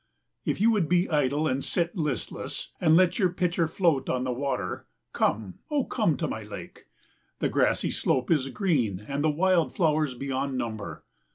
If you would be idle and sit listless and let your pitcher float on the water, come, O come to my lake. The grassy slope is green, and the wild flowers beyond number.